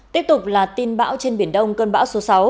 tiếp tục là tin bão trên biển đông cơn bão số sáu